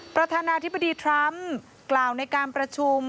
ประธานาธิบดีทรัมป์กล่าวในการประชุม